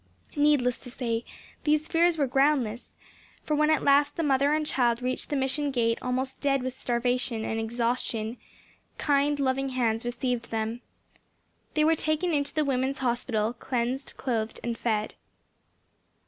Needless to say these fears were groundless, for when at last the mother and child reached the Mission gate almost dead from starvation and exhaustion, kind loving hands received them. They were taken into the Women's Hospital, cleansed, clothed, and fed.